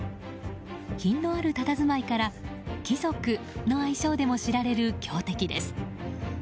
品のあるたたずまいから貴族の愛称でも知られる強敵です。